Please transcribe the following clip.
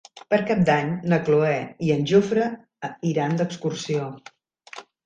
Per Cap d'Any na Cloè i en Jofre iran d'excursió.